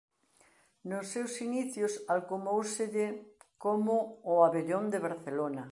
Nos seus inicios alcumóuselle como "o abellón de Barcelona".